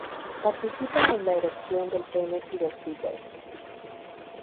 Participan en la erección del pene y del clítoris.